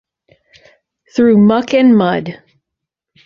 Through muck and mud.